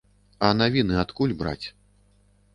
А навіны адкуль браць?